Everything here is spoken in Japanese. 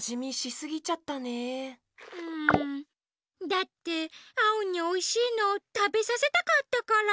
だってアオにおいしいのたべさせたかったから。